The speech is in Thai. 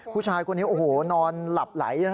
ผู้ชายคนนี้โอ้โหนอนหลับไหล